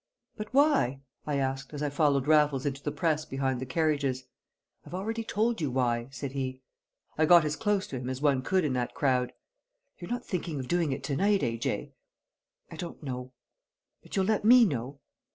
"But why?" I asked, as I followed Raffles into the press behind the carriages. "I've already told you why," said he. I got as close to him as one could in that crowd. "You're not thinking of doing it to night, A.J.?" "I don't know." "But you'll let me know?"